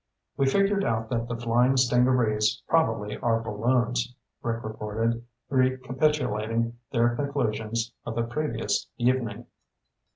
"We figured out that the flying stingarees probably are balloons," Rick reported, recapitulating their conclusions of the previous evening.